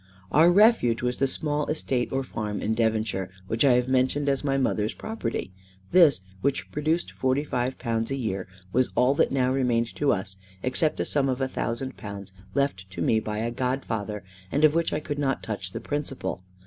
Our refuge was the small estate or farm in Devonshire, which I have mentioned as my mother's property. This, which produced £45 a year, was all that now remained to us, except a sum of £1,000 left to me by a godfather, and of which I could not touch the principal.